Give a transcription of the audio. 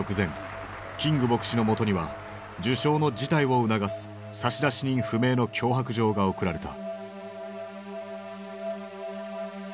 キング牧師のもとには受賞の辞退を促す差出人不明の脅迫状が送られた。